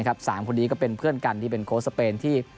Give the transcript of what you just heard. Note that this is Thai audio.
๓คนนี้ก็เป็นเพื่อนกันที่เป็นโค้ชสเปนที่